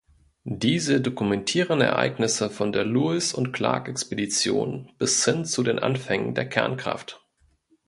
Diese dokumentieren Ereignisse von der Lewis-und-Clark-Expedition bis hin zu den Anfängen der Kernkraft.